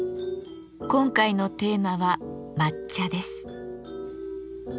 今回のテーマは「抹茶」です。